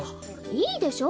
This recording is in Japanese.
いいでしょ。